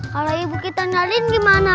kalau ibu kita nalin gimana